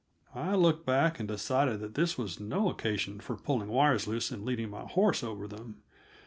I looked back and decided that this was no occasion for pulling wires loose and leading my horse over them.